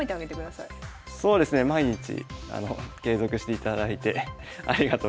そうですね毎日継続していただいてありがとうございます。